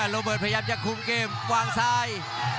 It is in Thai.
โรเบิร์ตพยายามจะคุมเกมวางซ้าย